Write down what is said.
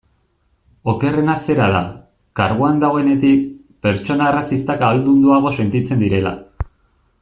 Okerrena zera da, karguan dagoenetik, pertsona arrazistak ahaldunduago sentitzen direla.